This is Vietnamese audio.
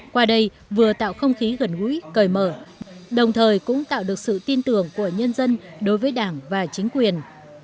qua đây vừa tạo không khí gần gũi cởi mở đồng thời cũng tạo được sự tin tưởng của nhân dân đối với đảng và chính quyền